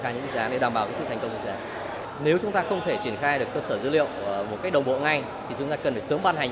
nếu chúng ta không thể triển khai được cơ sở dữ liệu một cách đồng bộ ngay thì chúng ta cần phải sớm ban hành